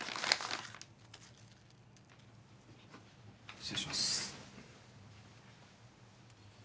失礼します。